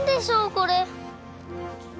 これ。